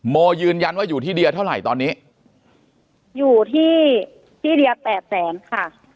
โมยืนยันว่าอยู่ที่เดียเท่าไหร่ตอนนี้อยู่ที่ที่เดียแปดแสนค่ะ